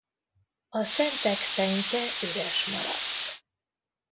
A szentek szentje üres maradt.